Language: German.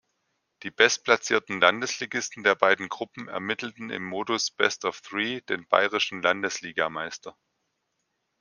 Die bestplatzierten Landesligisten der beiden Gruppen ermittelten im Modus „Best-of-Three“ den Bayerischen Landesligameister.